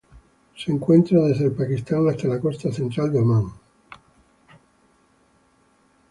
Se encuentra desde el Pakistán hasta la costa central de Omán.